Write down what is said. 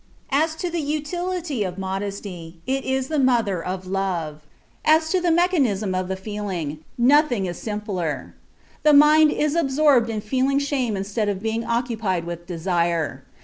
As to the utility of modesty, it is the mother of love. As to the mechanism of the feeling, nothing is simpler. The mind is absorbed in feeling shame instead of being occupied with desire.